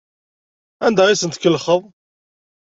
Anda ay asen-tkellxeḍ?